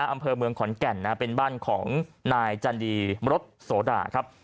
อำเภอเมืองขอนแก่นเป็นบ้านของนายจันดีรถโสดาครับ